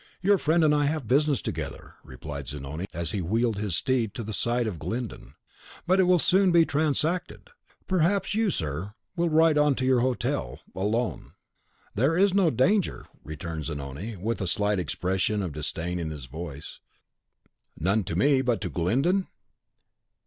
"Your friend and I have business together," replied Zanoni, as he wheeled his steed to the side of Glyndon. "But it will be soon transacted. Perhaps you, sir, will ride on to your hotel." "Alone!" "There is no danger!" returned Zanoni, with a slight expression of disdain in his voice. "None to me; but to Glyndon?"